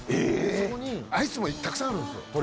そこにアイスもたくさんあるんですよ。